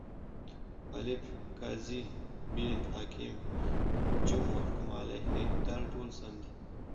الف: قاضي ب: حاکم ج: محکوم علیه د: ټوله سم دي.